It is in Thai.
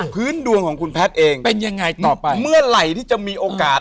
พื้นดวงของคุณแพทย์เองเป็นยังไงต่อไปเมื่อไหร่ที่จะมีโอกาส